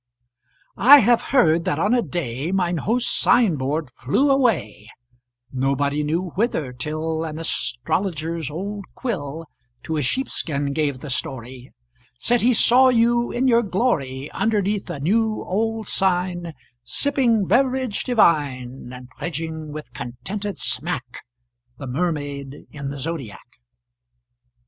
I have heard that on a day Mine host's sign board flew away, Nobody knew whither, till An astrologer's old quill To a sheepskin gave the story, Said he saw you in your glory, Underneath a new old sign Sipping beverage divine, 20 And pledging with contented smack The Mermaid in the Zodiac.